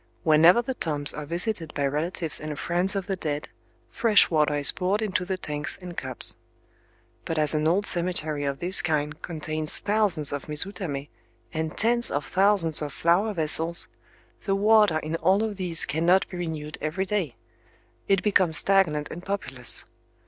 Whenever the tombs are visited by relatives and friends of the dead, fresh water is poured into the tanks and cups. But as an old cemetery of this kind contains thousands of mizutamé, and tens of thousands of flower vessels the water in all of these cannot be renewed every day. It becomes stagnant and populous.